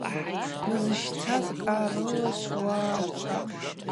Уызщцаз кӏарышвуачвапӏ.